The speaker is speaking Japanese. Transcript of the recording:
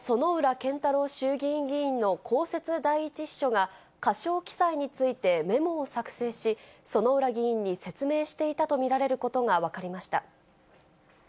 健太郎衆議院議員の公設第一秘書が、過少記載についてメモを作成し、薗浦議員に説明していたと見られることが分かりました。